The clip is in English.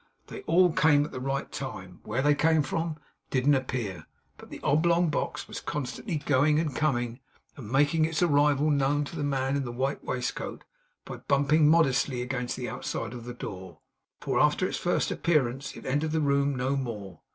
They all came at the right time. Where they came from, didn't appear; but the oblong box was constantly going and coming, and making its arrival known to the man in the white waistcoat by bumping modestly against the outside of the door; for, after its first appearance, it entered the room no more.